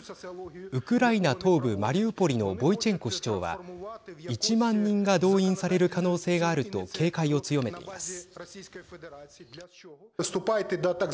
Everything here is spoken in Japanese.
ウクライナ東部マリウポリのボイチェンコ市長は１万人が動員される可能性があると警戒を強めています。